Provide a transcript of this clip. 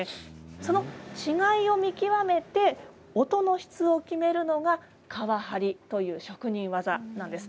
その違いを見極めて音の質を決めるのが皮張りという職人技なんです。